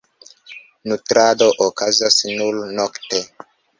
Nutrado okazas nur nokte.